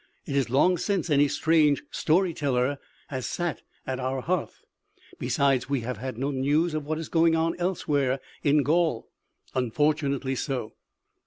It is long since any strange story teller has sat at our hearth." "Besides, we have had no news of what is going on elsewhere in Gaul." "Unfortunately so!"